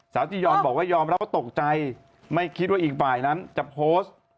จียอนบอกว่ายอมรับว่าตกใจไม่คิดว่าอีกฝ่ายนั้นจะโพสต์